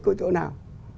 của chỗ nào